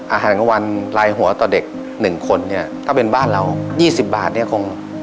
อาหารกลางวันลายหัวต่อเด็ก๑คนเนี่ยถ้าเป็นบ้านเรา๒๐บาทเนี่ยคง